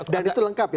dan itu lengkap ya